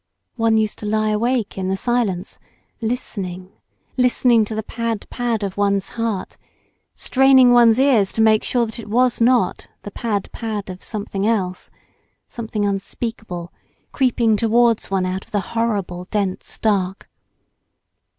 One used to lie awake in the silence, listening, listening to the pad pad of one's heart, straining one's ears to make sure that it was not the pad pad of something else, something unspeakable creeping towards one out of the horrible dense dark.